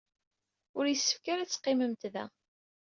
Ur yessefk ara ad teqqimemt da.